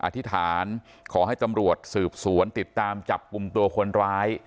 อธิษฐานขอให้ตำรวจสืบสวนติดตามจับกลุ่มตัวคนร้าย